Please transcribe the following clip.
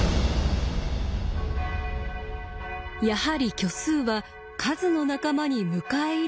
やはり虚数は数の仲間に迎え入れるべきではないか。